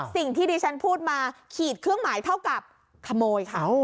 สิ่งที่ดิฉันพูดมาขีดเครื่องหมายเท่ากับขโมยค่ะ